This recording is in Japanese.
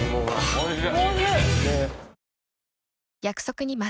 おいしい。